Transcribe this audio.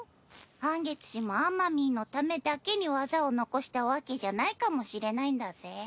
半月氏もあまみーのためだけに技を遺したわけじゃないかもしれないんだぜ。